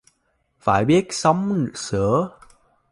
Phải biết sắm sửa